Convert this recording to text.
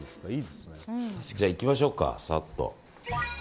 じゃあ、いきましょうかさっと。